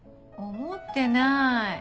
思ってない。